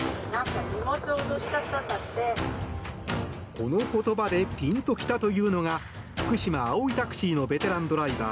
この言葉でピンときたというのが福島、葵タクシーのベテランドライバー